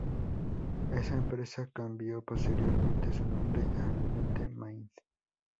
Esa empresa cambió posteriormente su nombre a Minute Maid.